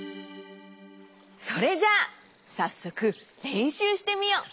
それじゃあさっそくれんしゅうしてみよう。